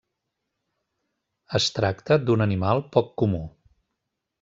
Es tracta d'un animal poc comú.